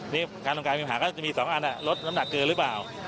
นี่การทำการมีปัญหาก็จะมี๒อันลดน้ำหนักเกินหรือเปล่า